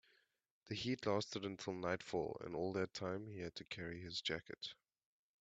The heat lasted until nightfall, and all that time he had to carry his jacket.